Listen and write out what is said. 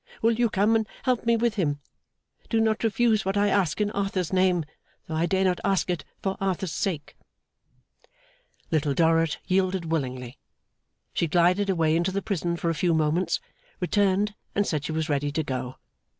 Will you come and help me with him? Do not refuse what I ask in Arthur's name, though I dare not ask it for Arthur's sake!' Little Dorrit yielded willingly. She glided away into the prison for a few moments, returned, and said she was ready to go.